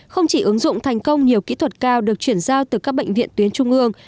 không chỉ ứng dụng thành công nhiều kỹ thuật cao được chuyển giao từ các bệnh viện tuyến trung ương